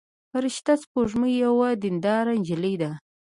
فرشته سپوږمۍ یوه دينداره نجلۍ ده.